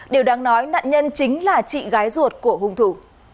điều đáng nói nạn nhân chính là chị gái ruột của hùng thủ